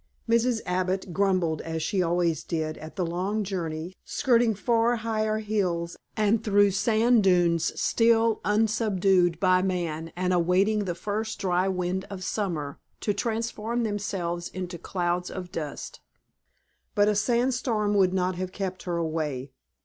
Mrs. Abbott grumbled as she always did at the long journey, skirting far higher hills, and through sand dunes still unsubdued by man and awaiting the first dry wind of summer to transform themselves into clouds of dust. But a sand storm would not have kept her away.